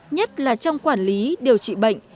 nhất là trong quản lý điều trị bệnh